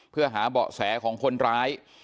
เพื่อหาเบาะแสของคนร้าย